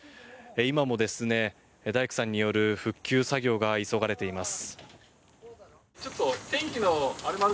今も大工さんによる復旧作業が急がれています。